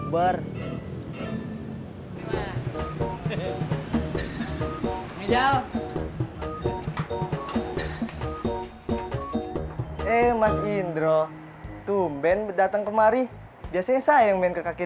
bro tuh men datang kemari biasanya saya yang men ke kk lima